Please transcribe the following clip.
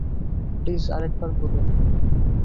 Please, আরেক বার বলুন।